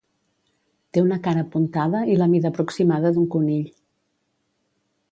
Té una cara puntada i la mida aproximada d'un conill.